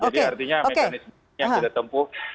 jadi artinya mekanismenya sudah tempuh